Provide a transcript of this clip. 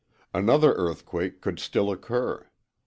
Another earthquake could still occur.